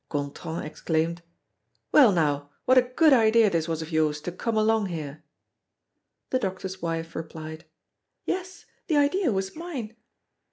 Gontran exclaimed: "Well, now, what a good idea this was of yours to come along here!" The doctor's wife replied: "Yes, the idea was mine."